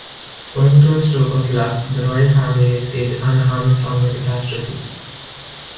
Owing to a stroke of luck, the Royal Family escaped unharmed from the catastrophe.